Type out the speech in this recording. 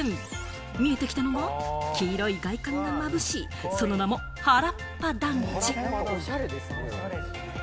見えてきたのは、黄色い外観がまぶしい、その名もハラッパ団地。